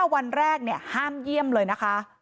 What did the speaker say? วันแรกห้ามเยี่ยมเลยนะคะ